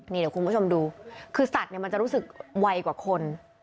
เดี๋ยวคุณผู้ชมดูคือสัตว์เนี่ยมันจะรู้สึกไวกว่าคน